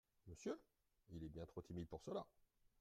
Monsieur ?… il est bien trop timide pour cela !